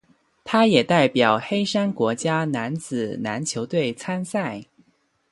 他也代表黑山国家男子篮球队参赛。